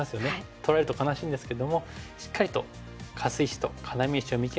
取られると悲しいんですけどもしっかりとカス石と要石を見極めて。